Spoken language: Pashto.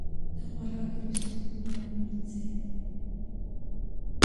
د خوراک وروسته خوله ومینځئ.